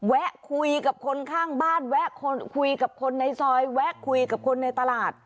แวะคุยกับคนข้างบ้านแวะคุยกับคนในซอยแวะคุยกับคนในตลาด